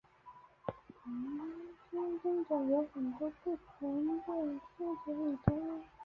坊间真的有很多不错的书可以读